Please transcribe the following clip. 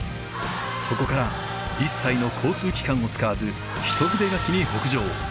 そこから一切の交通機関を使わず一筆書きに北上。